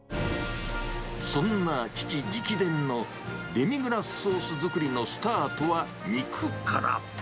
そんな父直伝のデミグラスソース作りのスタートは肉から。